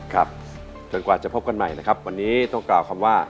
ครับจนกว่าจะพบกันใหม่นะครับวันนี้ต้องกล่าวคำว่า